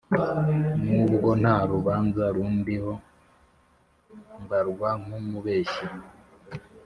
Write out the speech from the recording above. nubwo nta rubanza rundiho mbarwa nk’ umubeshyi,